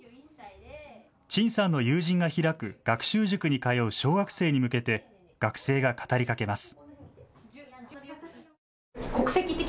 陳さんの友人が開く学習塾に通う小学生に向けて学生が語りかけます。